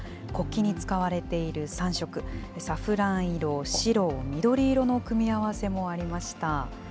国旗に使われている３色、サフラン色、白、緑色の組み合わせもありました。